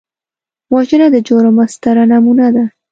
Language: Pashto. وژنه د جرم ستره نمونه ده